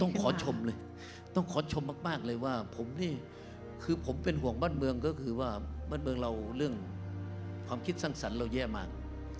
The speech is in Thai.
ขอชมเลยต้องขอชมมากเลยว่าผมนี่คือผมเป็นห่วงบ้านเมืองก็คือว่าบ้านเมืองเราเรื่องความคิดสร้างสรรค์เราแย่มาก